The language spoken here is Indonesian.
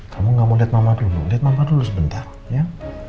kamu gak mau lihat mama dulu lihat mama dulu sebentar ya